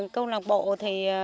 câu lộc bộ thì